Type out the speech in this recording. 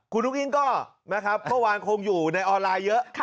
คุณลุกอิ๊งก็นะครับก็วางคงอยู่ในออนไลน์เยอะ